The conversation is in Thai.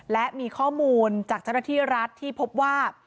และมีข้อมูลจากเจ้าหน้าที่รัฐที่พบว่า